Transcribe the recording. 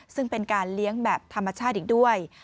ซึ่งเป็นการเลี้ยงแบบธรรมชาติอีกด้วย